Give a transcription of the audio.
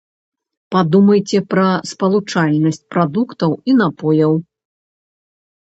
Падумайце пра спалучальнасць прадуктаў і напояў.